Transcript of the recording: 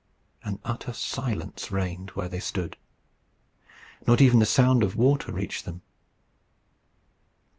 An utter silence reigned where they stood. Not even the sound of water reached them.